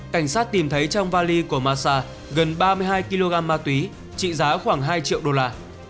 cảnh sát tìm thấy trong vali của masa gần ba mươi hai kg ma túy trị giá khoảng hai triệu đô la